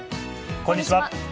こんにちは。